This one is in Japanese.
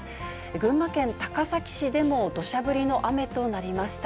群馬県高崎市でもどしゃ降りの雨となりました。